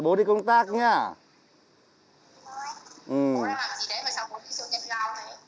bố đang làm gì đấy mà sao bố đi siêu nhân giao thế